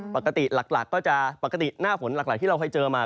ปกติหน้าฝนหลักที่เราเคยเจอมา